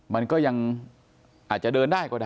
มันก็ยังอาจจะเดินได้ก็ได้